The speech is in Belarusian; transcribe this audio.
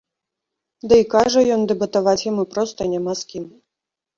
Дый, кажа ён, дэбатаваць яму проста няма з кім.